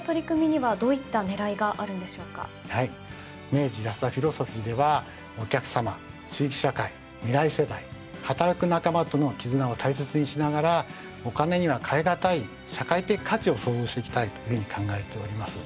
明治安田フィロソフィーではお客さま地域社会未来世代働く仲間との絆を大切にしながらお金には替え難い社会的価値を創造していきたいというふうに考えております。